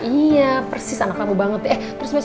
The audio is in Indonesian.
iya persis anak kamu banget ya